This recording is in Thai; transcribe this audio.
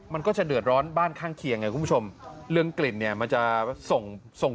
มันก็จะเดือดร้อนบ้านข้างเคียงไงคุณผู้ชมเรื่องกลิ่นเนี่ยมันจะส่งส่ง